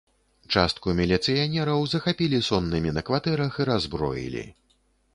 Частку міліцыянераў захапілі соннымі на кватэрах і раззброілі.